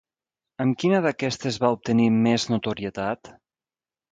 Amb quina d'aquestes va obtenir més notorietat?